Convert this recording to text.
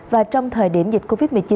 và trong thời điểm dịch covid một mươi chín